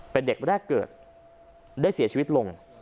เป็นเด็กแรกเกิดได้เสียชีวิตลง